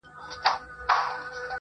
مار زخمي سو له دهقان سره دښمن سو؛